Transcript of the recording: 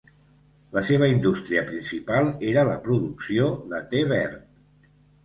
La seva indústria principal era la producció de te verd.